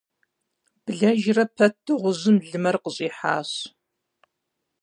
Блэжрэ пэт дыгъужьым лымэр къащӏихьащ.